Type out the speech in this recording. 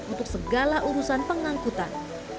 untuk segala urusan pengangkutan